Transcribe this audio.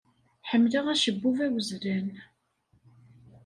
Ḥemmleɣ acebbub awezlan.